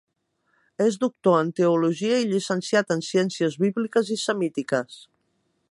És doctor en teologia i llicenciat en ciències bíbliques i semítiques.